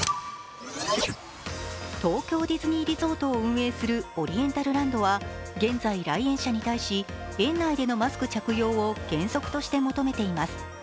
東京ディズニーリゾートを運営するオリエンタルランドは現在、来園者に対し、園内でのマスク着用を原則として求めています。